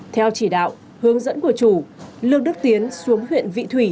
theo chỉ đạo hướng dẫn của chủ lương đức tiến xuống huyện vị thủy